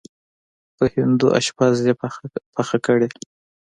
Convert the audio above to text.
په هندو اشپز یې پخه کړې.